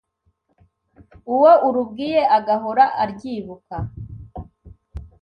uwo urubwiye agahora aryibuka